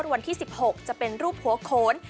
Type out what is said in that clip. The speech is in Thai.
วันที่๑๖จะเป็นรูปหัวโขน